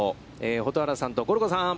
蛍原さんとゴルゴさん。